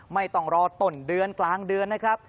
ไม่ต้องรอต้นเดือนกลางเดือนนะครับ